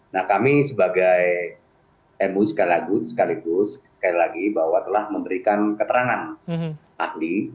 nah kami sebagai mui sekaligus sekali lagi bahwa telah memberikan keterangan ahli